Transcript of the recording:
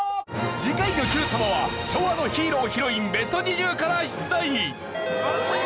次回の『Ｑさま！！』は昭和のヒーロー＆ヒロインＢＥＳＴ２０から出題！